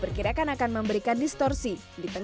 palestrinya mungkin juga seseorang yang coba cobain dari negeri